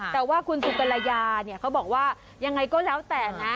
แต่ว่าคุณสุกรยาเนี่ยเขาบอกว่ายังไงก็แล้วแต่นะ